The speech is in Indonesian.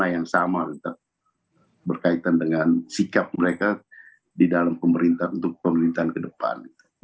yang sama berkaitan dengan sikap mereka di dalam pemerintah untuk pemerintahan ke depan